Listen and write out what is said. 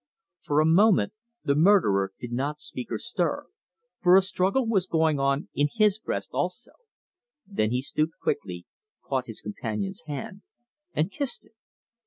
For a moment the murderer did not speak or stir, for a struggle was going on in his breast also; then he stooped quickly, caught his companion's hand, and kissed it.